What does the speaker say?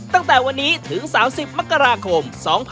ตั้งแต่วันนี้ถึง๓๐มกราคม๒๕๖๒